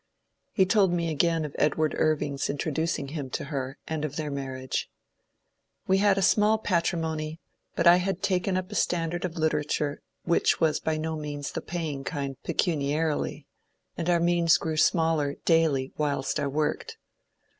He told me again of Ed ward Irving's introducing him to her and of their marriage. ^^ We had a small patrimony,; but I had taken up a standard of literature which was by no means of the paying kind pecu niarily, and our means grew smaller daily whilst I worked.